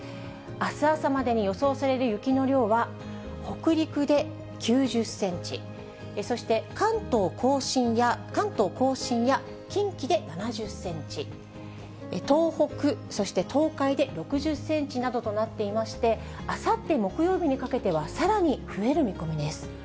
あす朝までに予想される雪の量は、北陸で９０センチ、そして関東甲信や近畿で７０センチ、東北、そして東海で６０センチなどとなっていまして、あさって木曜日にかけてはさらに増える見込みです。